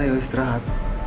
wah yaudah istirahat